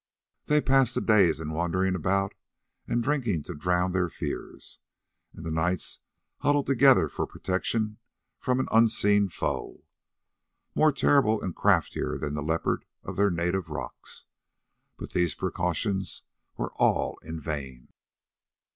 They passed the days in wandering about and drinking to drown their fears, and the nights huddled together for protection from an unseen foe, more terrible and craftier than the leopard of their native rocks. But these precautions were all in vain.